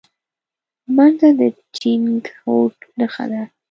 منډه د ټینګ هوډ نښه ده